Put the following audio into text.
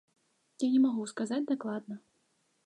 Я не магу сказаць дакладна.